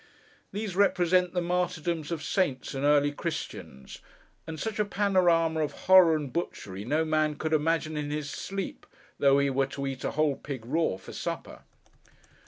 These represent the martyrdoms of saints and early Christians; and such a panorama of horror and butchery no man could imagine in his sleep, though he were to eat a whole pig raw, for supper.